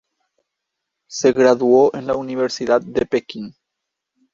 Se graduó de la Universidad de Pekín.